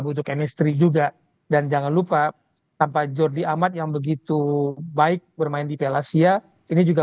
butuh chemistry juga dan jangan lupa tanpa jordi amat yang begitu baik bermain di piala asia ini juga